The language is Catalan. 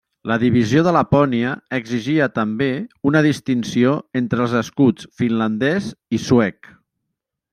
La divisió de Lapònia exigia també una distinció entre els escuts finlandès i suec.